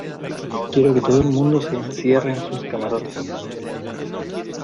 quiero que todo el mundo se encierre en sus camarotes